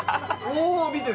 おお見て！